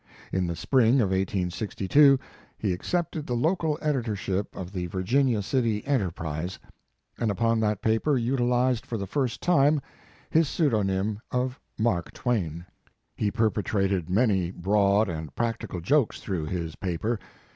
In the spring of 1862 he accepted the local editorship of the Virginia City Enterprise, and upon that paper utilized for the first time his pseudonym of 4 Mark Twain." He perpetrated many broad and practical jokes through his paper.